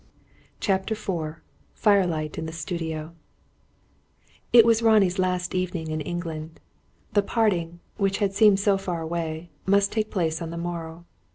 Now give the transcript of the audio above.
CHAPTER IV FIRELIGHT IN THE STUDIO It was Ronnie's last evening in England. The parting, which had seemed so far away, must take place on the morrow.